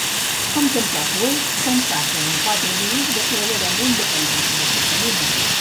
Com tampoc ho és pensar que en quatre dies declararem la independència de Catalunya.